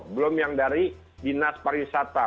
belum yang dari dinas pariwisata